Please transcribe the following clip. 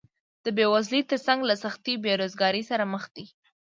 د بېوزلۍ تر څنګ له سختې بېروزګارۍ سره مخ دي